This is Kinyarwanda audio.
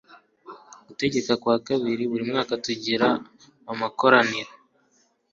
gutegeka kwa kabiri buri mwaka tugira amakoraniro